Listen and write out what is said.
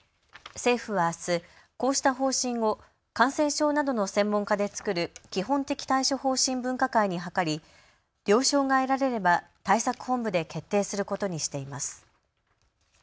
政府はあす、こうした方針を感染症などの専門家で作る基本的対処方針分科会に諮り了承が得られれば対策本部で決定することにしています。